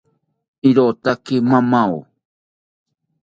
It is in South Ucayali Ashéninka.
Irotaki mamao